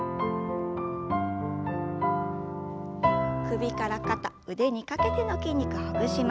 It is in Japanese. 首から肩腕にかけての筋肉ほぐします。